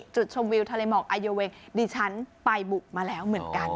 จุดชมวิวทะเลหมอกอายุเวงดิฉันไปบุกมาแล้วเหมือนกัน